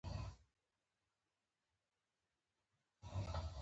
انحصار مختلف منابع او عوامل لري.